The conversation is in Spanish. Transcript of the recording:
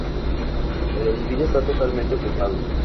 El edificio está totalmente ocupado.